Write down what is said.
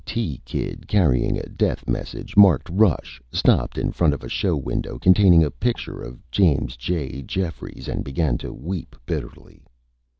D.T. Kid carrying a Death Message marked "Rush" stopped in front of a Show Window containing a Picture of James J. Jeffries and began to weep bitterly.